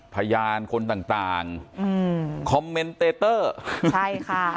พญานคนต่างต่างครับคอมเม้นเต้อเตอร์ค่ะ